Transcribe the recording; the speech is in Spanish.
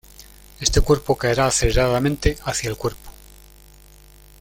Este cuerpo caerá aceleradamente hacia el cuerpo.